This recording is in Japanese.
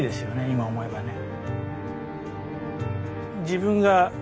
今思えばね。